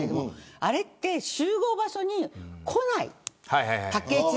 あれって集合場所に来ない。